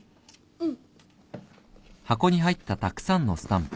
うん。